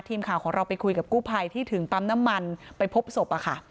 ทีมข่าวของเราไปคุยกับกู้ภัยที่ถึงปั๊มน้ำมันไปพบศพอะค่ะ